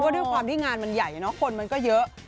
ด้วยความที่งานมันใหญ่เนอะคนมันก็เยอะ